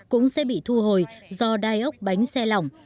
cũng sẽ bị thu hồi do đai ốc bánh xe lỏng